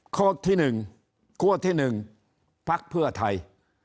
ข้อที่๑คั่วที่๑พักเพื่อไทย